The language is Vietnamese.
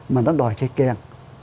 mà nó đòi cây kèn